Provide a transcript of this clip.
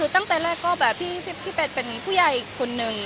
ตั้งแต่แรกพี่เป็นผู้ใหญ่คนนึง